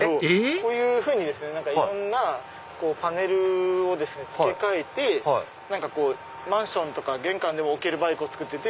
こういうふうにいろんなパネルを付け替えてマンションとか玄関でも置けるバイクを造ってて。